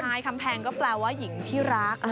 ใช่คำแพงก็แปลว่าหญิงที่รัก